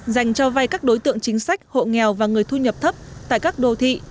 dành cho vay các đối tượng chính sách hộ nghèo và người thu nhập thấp tại các đô thị